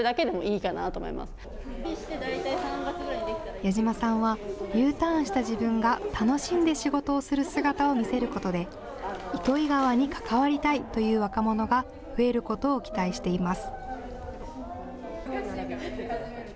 矢島さんは、Ｕターンした自分が楽しんで仕事をする姿を見せることで糸魚川に関わりたいという若者が増えることを期待しています。